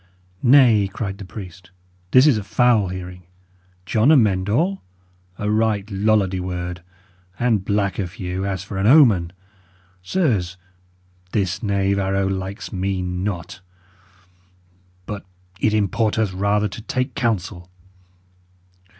"Nay," cried the priest, "this is a foul hearing! John Amend All! A right Lollardy word. And black of hue, as for an omen! Sirs, this knave arrow likes me not. But it importeth rather to take counsel.